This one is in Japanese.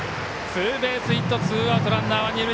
ツーベースヒットツーアウト、ランナー、二塁。